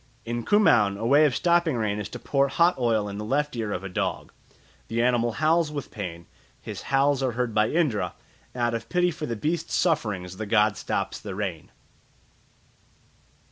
In Kumaon a way of stopping rain is to pour hot oil in the left ear of a dog. The animal howls with pain, his howls are heard by Indra, and out of pity for the beast's sufferings the god stops the rain.